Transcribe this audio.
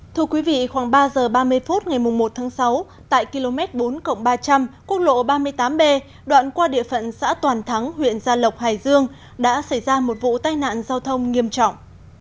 thưa quý vị khoảng ba giờ ba mươi phút ngày một tháng sáu tại km bốn ba trăm linh quốc lộ ba mươi tám b đoạn qua địa phận xã toàn thắng huyện gia lộc hải dương đã xảy ra một vụ tai nạn giao thông nghiêm trọng